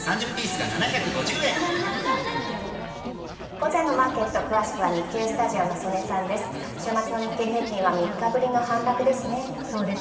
午前のマーケット、詳しくは日経スタジオの曽根さんです。